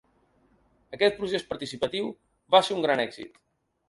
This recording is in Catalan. Aquest procés participatiu va ser un gran èxit.